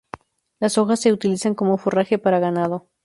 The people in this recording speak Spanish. Las hojas se utilizan como forraje para ganado.